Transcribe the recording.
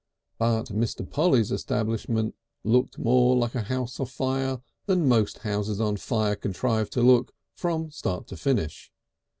But Mr. Polly's establishment looked more like a house afire than most houses on fire contrive to look from start to finish.